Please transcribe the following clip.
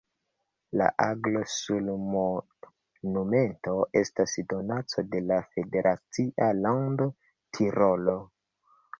La aglo sur monumento estas donaco de la federacia lando Tirolo.